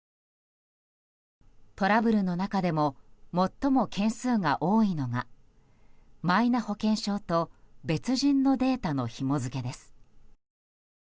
トラブルの中でも最も件数が多いのがマイナ保険証と別人のデータのひも付けです。